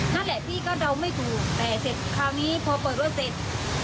นั่นแหละพี่ก็เดาไม่ถูกแต่เสร็จคราวนี้พอเปิดรถเสร็จ